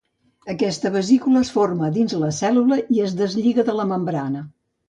Aquesta vesícula es forma a dins la cèl·lula i es deslliga de la membrana.